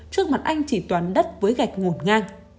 trước mặt anh chỉ toán đất với gạch ngột ngang